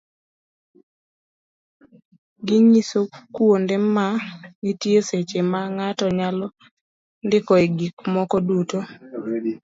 ginyiso kuonde ma nitie seche ma ng'ato nyalo ndikoe gik moko duto.